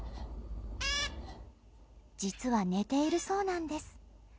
実は寝ているそうなんです。